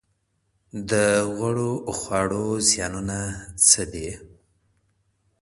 د غوړو خواړو زیانونه څه دي؟